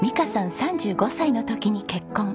３５歳の時に結婚。